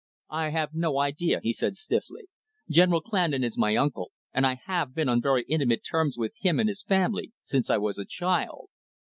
"I have no idea," he said stiffly. "General Clandon is my uncle, and I have been on very intimate terms with him and his family since I was a child.